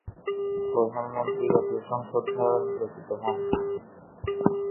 প্রধানমন্ত্রী জাতীয় সংসদ দ্বারা নির্বাচিত হন।